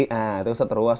nah itu seteruas